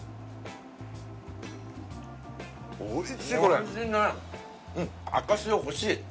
おいしいね。